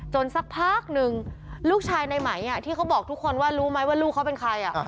สักพักหนึ่งลูกชายในไหมที่เขาบอกทุกคนว่ารู้ไหมว่าลูกเขาเป็นใคร